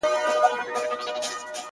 له دې نه پس دې د شېرينې په نوم نه پېژنم!!